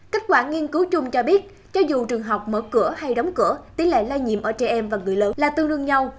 kết quả nghiên cứu chung cho biết cho dù trường học mở cửa hay đóng cửa tỷ lệ lây nhiễm ở trẻ em và người lớn là tương đương nhau